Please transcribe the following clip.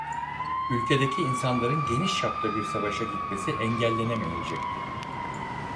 Ülkedeki insanların geniş çapta bir savaşa gitmesi engellenemeyecekti.